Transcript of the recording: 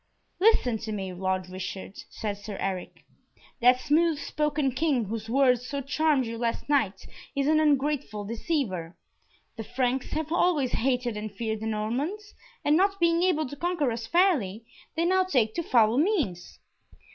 "Listen to me, Lord Richard," said Sir Eric: "that smooth spoken King whose words so charmed you last night is an ungrateful deceiver. The Franks have always hated and feared the Normans, and not being able to conquer us fairly, they now take to foul means.